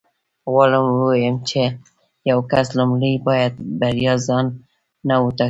غواړم ووایم چې یو کس لومړی باید بریا ځان ته وټاکي